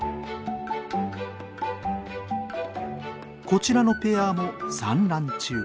こちらのペアも産卵中！